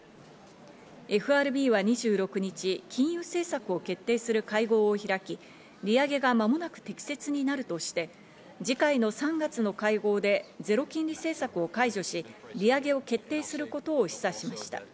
ＦＲＢは２６日、金融政策を決定する会合を開き、利上げが間もなく適切になるとして、次回の３月の会合でゼロ金利政策を解除し、利上げを決定することを示唆しました。